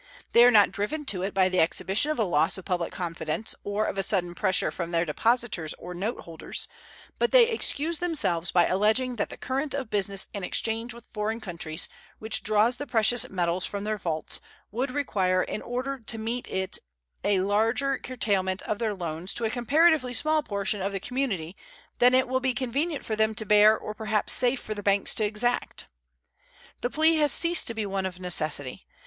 They are not driven to it by the exhibition of a loss of public confidence or of a sudden pressure from their depositors or note holders, but they excuse themselves by alleging that the current of business and exchange with foreign countries, which draws the precious metals from their vaults, would require in order to meet it a larger curtailment of their loans to a comparatively small portion of the community than it will be convenient for them to bear or perhaps safe for the banks to exact. The plea has ceased to be one of necessity.